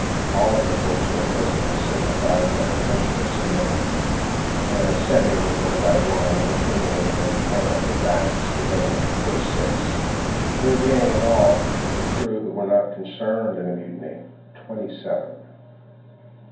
All in the forecastle presently signified their intention of submitting, and, ascending one by one, were pinioned and then thrown on their backs, together with the first six—there being in all, of the crew who were not concerned in the mutiny, twenty seven.